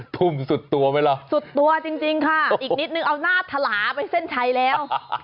ทุ่มสุดตัวไหมล่ะสุดตัวจริงค่ะอีกนิดนึงเอาหน้าถลาไปเส้นชัยแล้ว